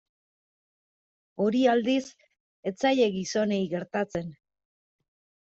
Hori, aldiz, ez zaie gizonei gertatzen.